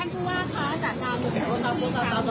ท่านพูดว่าคำและเ